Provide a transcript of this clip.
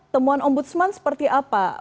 temuan ombudsman seperti apa